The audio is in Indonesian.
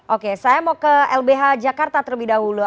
oke saya mau ke lbh jakarta terlebih dahulu